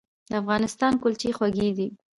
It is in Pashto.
د افغانستان کلچې خوږې دي